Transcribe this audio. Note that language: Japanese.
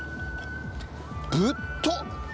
ぶっとい！